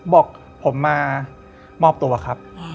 บอกผมมามอบตัวครับ